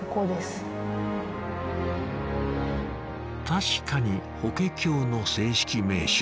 確かに「法華経」の正式名称